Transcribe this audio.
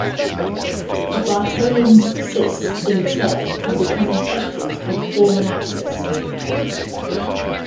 A Bartholin's cyst in turn can become infected and form an abscess.